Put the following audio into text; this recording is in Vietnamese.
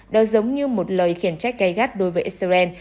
đó giống như một lời khiển trách gây gắt đối với israel